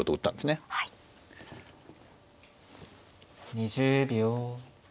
２０秒。